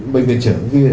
bệnh viện trưởng kia